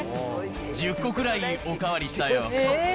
１０個くらいお代わりしたよ。